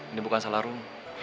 ini bukan salah rom